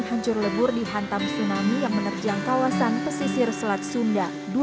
hancur lebur dihantam tsunami yang menerjang kawasan pesisir selat sunda